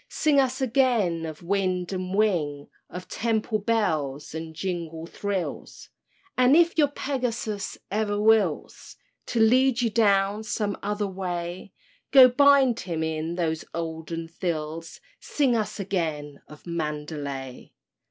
Sing us again of wind and wing, Of temple bells and jungle thrills; And if your Pegasus e'er wills To lead you down some other way, Go bind him in his olden thills— Sing us again of Mandalay!